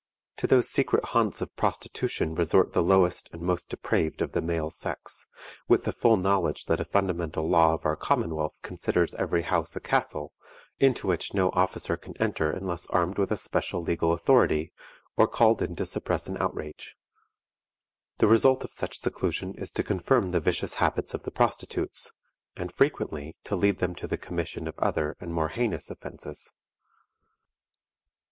To those secret haunts of prostitution resort the lowest and most depraved of the male sex, with the full knowledge that a fundamental law of our commonwealth considers every house a castle, into which no officer can enter unless armed with a special legal authority, or called in to suppress an outrage. The result of such seclusion is to confirm the vicious habits of the prostitutes, and frequently to lead them to the commission of other and more heinous offenses.